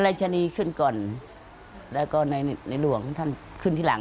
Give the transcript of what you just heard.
ชนีขึ้นก่อนแล้วก็ในในหลวงท่านขึ้นที่หลัง